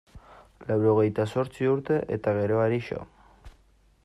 Laurogehita zortzi urte eta geroari so.